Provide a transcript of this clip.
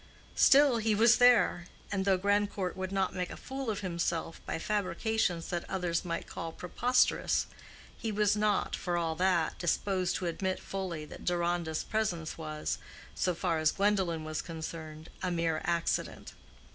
Still he was there, and though Grandcourt would not make a fool of himself by fabrications that others might call preposterous, he was not, for all that, disposed to admit fully that Deronda's presence was, so far as Gwendolen was concerned, a mere accident.